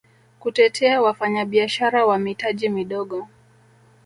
kutetea wafanyabiashara wa mitaji midogo